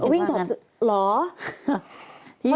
วิ่งถอดเสื้อหรอ